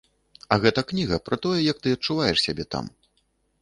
А гэта кніга пра тое, як ты адчуваеш сябе там.